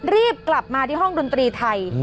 รีบกลับมาที่ห้องดนตรีไทย